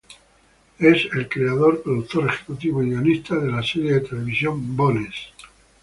Es el creador, productor ejecutivo y guionista de la serie de televisión Bones.